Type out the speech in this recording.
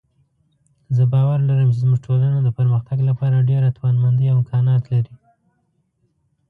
زه باور لرم چې زموږ ټولنه د پرمختګ لپاره ډېره توانمندۍ او امکانات لري